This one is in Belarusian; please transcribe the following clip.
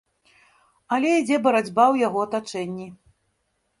Але ідзе барацьба ў яго атачэнні.